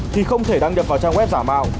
thì không thể đăng nhập vào trang web giả mạo